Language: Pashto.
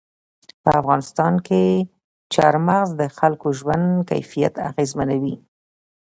په افغانستان کې چار مغز د خلکو ژوند کیفیت اغېزمنوي.